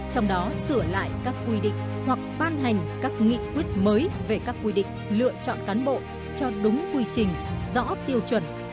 trong đó sửa lại các quy định hoặc ban hành các nghị quyết mới về các quy định lựa chọn cán bộ cho đúng quy trình rõ tiêu chuẩn